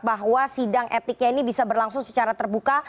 bahwa sidang etiknya ini bisa berlangsung secara terbuka